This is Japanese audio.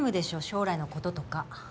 将来のこととか。